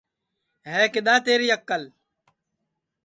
ہے کِدؔا تیری اکل